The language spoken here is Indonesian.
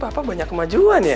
berarti papa banyak kemajuan ya